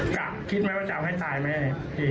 กะคิดไหมว่าจะเอาให้ตายไหม